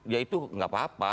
ya itu nggak apa apa